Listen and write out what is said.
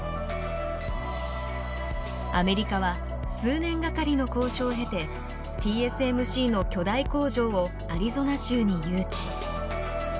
アメリカは数年掛かりの交渉を経てＴＳＭＣの巨大工場をアリゾナ州に誘致。